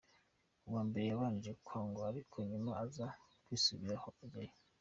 Ubwa mbere yabanje kwanga ariko nyuma aza kwisubiraho ajyayo.